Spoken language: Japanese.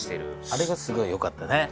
あれがすごい良かったね。